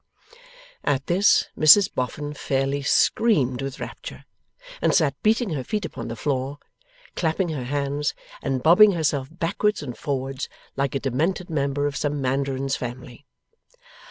At this, Mrs Boffin fairly screamed with rapture, and sat beating her feet upon the floor, clapping her hands, and bobbing herself backwards and forwards, like a demented member of some Mandarin's family.